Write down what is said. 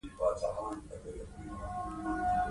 هغه وویل زما په کښتۍ کې به سویس ته لاړ شې.